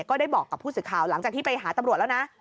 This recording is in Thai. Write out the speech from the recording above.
ก็ได้บอกกับผู้สื่อข่าวหลังจากที่ไปหาตำรวจแล้วนะ